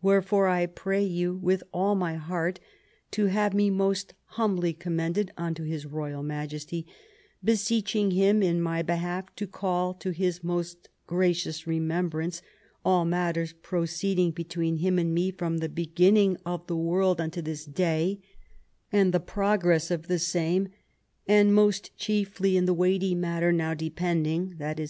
Wherefore, I pray you, with all my heart, to have me most humbly commended unto his royal Majesty, beseeching him in my behalf to call to his most gracious remembrance all matters proceed ing between him and me from the beginning of the world unto this day, and the progress of the same, and most chiefly in the weighty matter now depending (i.e.